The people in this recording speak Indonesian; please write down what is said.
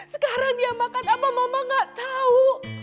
sekarang dia makan apa mama gak tahu